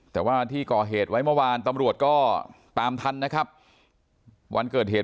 แต่ว่าที่ก่อเหตุไว้เมื่อวานตำรวจก็ตามทันนะครับวันเกิดเหตุ